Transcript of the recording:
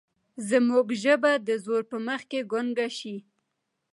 زموږ ژبه د زور په مخ کې ګونګه شي.